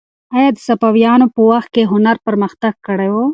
آیا د صفویانو په وخت کې هنر پرمختګ کړی و؟